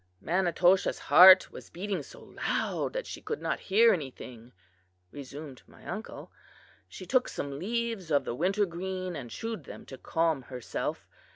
"Manitoshaw's heart was beating so loud that she could not hear anything," resumed my uncle. "She took some leaves of the wintergreen and chewed them to calm herself.